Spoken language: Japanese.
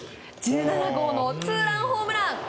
１７号のツーランホームラン。